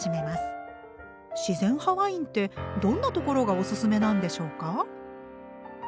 自然派ワインってどんなところがおすすめなんでしょうか？